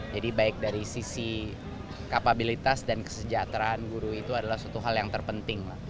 jadi baik dari sisi kapabilitas dan kesejahteraan guru itu adalah suatu hal yang terpenting